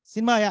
xin mời ạ